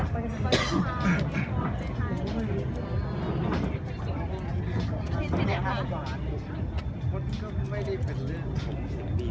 เตยเยื่อยเลยใช่ครับทีนี้ตกลงก่อนเริ่ม